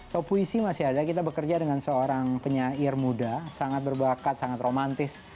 kalau puisi masih ada kita bekerja dengan seorang penyair muda sangat berbakat sangat romantis